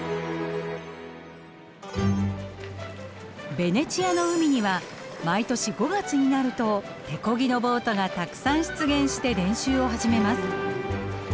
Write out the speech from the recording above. ベネチアの海には毎年５月になると手漕ぎのボートがたくさん出現して練習を始めます。